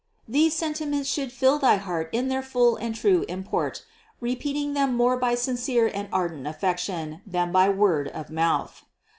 These sentiments should fill thy heart in their full and true import, repeating them more by sincere and ardent affection, than by word of mouth.